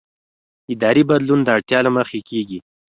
اداري بدلون د اړتیا له مخې کېږي